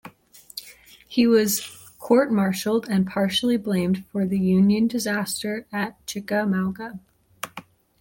He was courtmartialed and partially blamed for the Union disaster at Chickamauga.